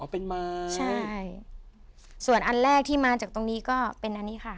เป็นไม้ใช่ส่วนอันแรกที่มาจากตรงนี้ก็เป็นอันนี้ค่ะ